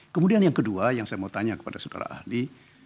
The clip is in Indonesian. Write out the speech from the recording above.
kemudian yang kedua yang saya mau tanya kepada saudara ahli